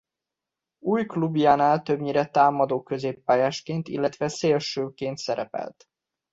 Új klubjánál többnyire támadó középpályásként illetve szélsőként szerepelt.